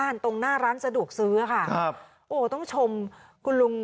ตรงหน้าร้านสะดวกซื้อค่ะครับโอ้ต้องชมคุณลุง